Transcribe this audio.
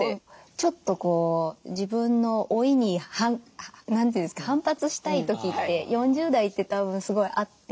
ちょっとこう自分の老いに何て言うんですか反発したい時って４０代ってたぶんすごいあって。